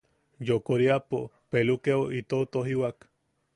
Yokoriapo pelukeo itou tojiwak.